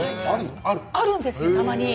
あるんですよ、たまに。